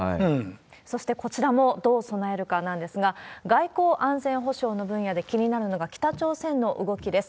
そして、こちらもどう備えるかなんですが、外交・安全保障の分野で気になるのが、北朝鮮の動きです。